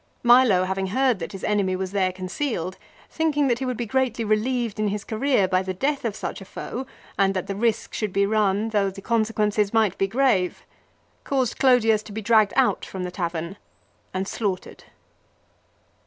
Milo having heard that his enemy was there concealed, thinking that he would be greatly relieved in his career by the death of such a foe, and that the risk should be run though the consequences might be grave, caused Clodius to be dragged out from the tavern and slaughtered.